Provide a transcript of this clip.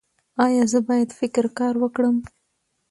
ایا زه باید فکري کار وکړم؟